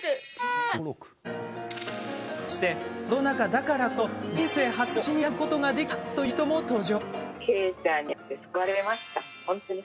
そして、コロナ禍だからこそ人生初の推しに出会うことができたという人も登場。